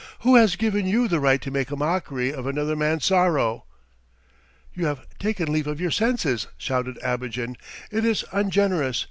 "Who has given you the right to make a mockery of another man's sorrow?" "You have taken leave of your senses," shouted Abogin. "It is ungenerous.